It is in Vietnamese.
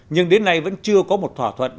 nhưng đến nay vẫn chưa có một thỏa thuận